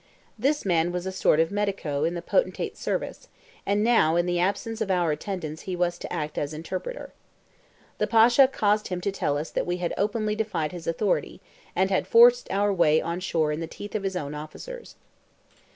This man was a sort of medico in the potentate's service, and now in the absence of our attendants he was to act as interpreter. The Pasha caused him to tell us that we had openly defied his authority, and had forced our way on shore in the teeth of his own officers.